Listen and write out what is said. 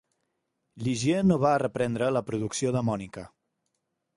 Ligier no va reprendre la producció de Monica.